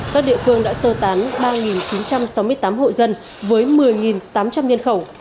các địa phương đã sơ tán ba chín trăm sáu mươi tám hộ dân với một mươi tám trăm linh nhân khẩu